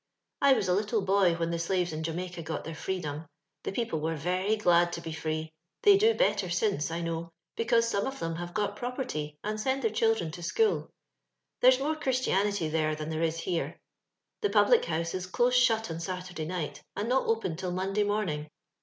" I was a little boy when the slaves in Jamaica got their freedom : the people were very glad to be free ; they do better since, I know, because some of them have got pro perty, and send their children to school. There's more Christianity there than there is here. The public house is close shut on Saturday night, and not opened till Monday morning.